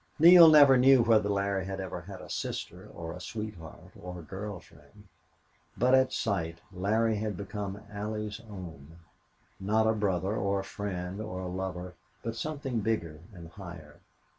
Neale never knew whether Larry had ever had a sister or a sweetheart or a girl friend. But at sight Larry had become Allie's own; not a brother or a friend or a lover, but something bigger and higher.